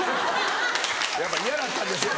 やっぱ嫌だったんですよ